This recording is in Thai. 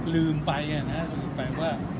ลืมไปนะลืมไปว่า